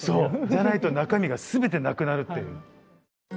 じゃないと中身が全てなくなるっていう。